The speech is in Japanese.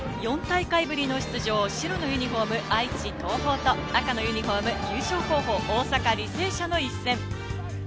４大会ぶりの出場、白のユニホーム愛知・東邦と赤のユニホーム・優勝候補、大阪・履正社の一戦。